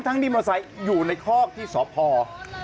ทั้งที่มอเตอร์ไซค์อยู่ในคอกที่สอบพอร์